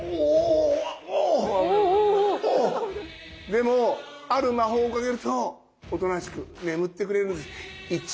でもある魔法をかけるとおとなしく眠ってくれるんです。